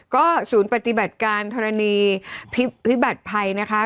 ก็ศูนย์ปฏิบัติการธรณีพิบัติภัยนะคะ